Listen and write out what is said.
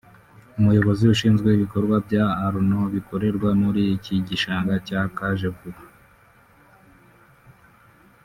umuyobozi ushinzwe ibikorwa bya Arnaud bikorerwa muri iki gishanga cya Kajevuba